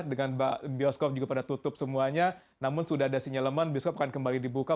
dengan bioskop juga pada tutup semuanya namun sudah ada sinyal man bioskop akan kembali di buka